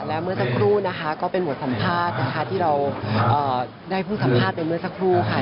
และเมื่อสักครู่นะคะก็เป็นบทสัมภาษณ์นะคะที่เราได้เพิ่งสัมภาษณ์ไปเมื่อสักครู่ค่ะ